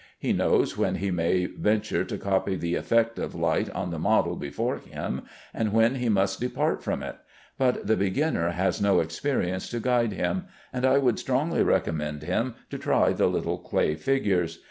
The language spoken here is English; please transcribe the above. He knows when he may venture to copy the effect of light on the model before him, and when he must depart from it, but the beginner has no experience to guide him, and I would strongly recommend him to try the little clay figures.